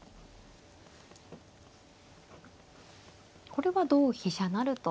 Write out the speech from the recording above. これは同飛車成と。